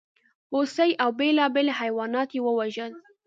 هوسۍ او بېلابېل حیوانات یې وژل.